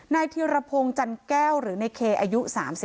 นายธิรพงศ์จันแก้วหรือในเขียมอายุ๓๕